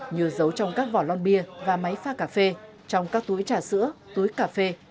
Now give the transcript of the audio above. như giấu trong các vỏ lon bia và máy pha cà phê trong các túi trà sữa túi cà phê